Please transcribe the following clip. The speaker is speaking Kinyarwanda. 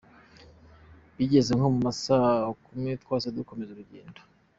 Bigeze nko mu ma saa kumi twahitse dukomeza urugendo.